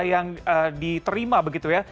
yang diterima begitu ya